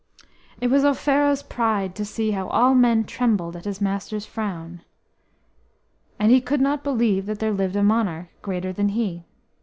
It was Offero's pride to see how all men trembled at his master's frown, and he could not believe that there lived a monarch greater than he.